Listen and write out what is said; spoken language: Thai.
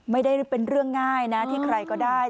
ไม่ได้เป็นเรื่องง่ายนะที่ใครก็ได้